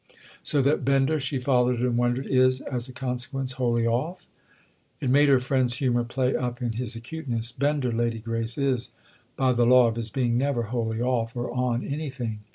"So that Bender"—she followed and wondered—"is, as a consequence, wholly off?" It made her friend's humour play up in his acute ness. "Bender, Lady Grace, is, by the law of his being, never 'wholly' off—or on!—anything.